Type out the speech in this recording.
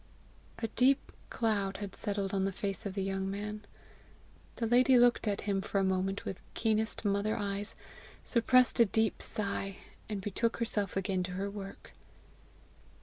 A deep cloud had settled on the face of the young man. The lady looked at him for a moment with keenest mother eyes, suppressed a deep sigh, and betook herself again to her work.